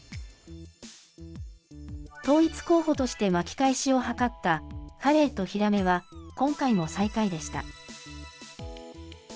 統一候補として巻き返しを図ったカレイとヒラメは、今回も最下位でした。